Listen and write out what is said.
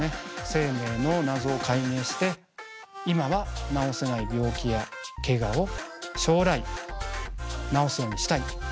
生命の謎を解明して今は治せない病気やけがを将来治すようにしたい。